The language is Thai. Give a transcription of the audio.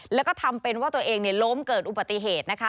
แล้วก็ทำเป็นว่าตัวเองล้มเกิดอุบัติเหตุนะคะ